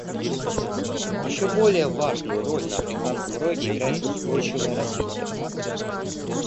Еще более важную роль на Африканском Роге играет устойчивое развитие.